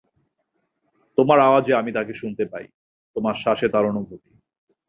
তোমার আওয়াজে আমি তাকে শুনতে পাই, তোমার শ্বাসে তার অনুভূতি।